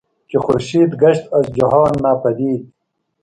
که خورشید گشت از جهان ناپدید